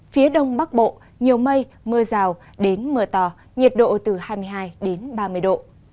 phía đông bắc bộ nhiều mây mưa rào đến mưa to nhiệt độ từ hai mươi hai đến ba mươi độ